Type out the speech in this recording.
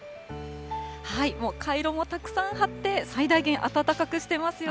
もうカイロもたくさん貼って、最大限暖かくしてますよ。